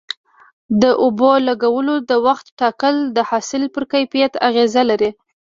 د اوبو لګولو د وخت ټاکل د حاصل پر کیفیت اغیزه لري.